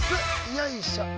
よいしょ。